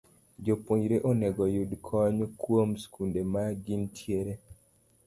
Jopuonjre onego oyud kony kuom skunde ma gintiere